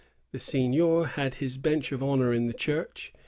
The seignior had his bench of honor in the church.